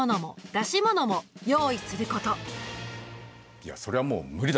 いやそりゃもう無理だろ。